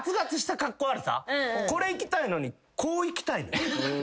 これいきたいのにこういきたい。